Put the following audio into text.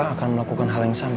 akan melakukan hal yang sama